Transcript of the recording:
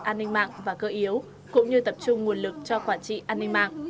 an ninh mạng và cơ yếu cũng như tập trung nguồn lực cho quản trị an ninh mạng